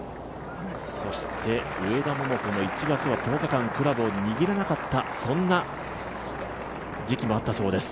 そして、上田桃子も１月は１０日間クラブを握らなかったそんな時期もあったそうです。